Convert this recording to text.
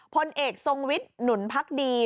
พลเอกทรงวิทย์หนุนพักดี